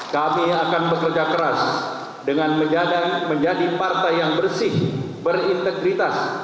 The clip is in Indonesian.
kami akan bekerja keras dengan menjadi partai yang bersih berintegritas